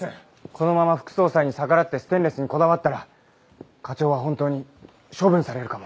このまま副総裁に逆らってステンレスにこだわったら課長は本当に処分されるかも。